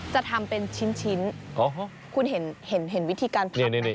จะทำเป็นชิ้นคุณเห็นวิธีการผัดไหม